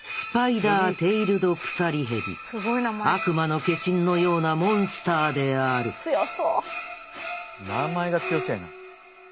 悪魔の化身のようなモンスターである名前が強そうやな。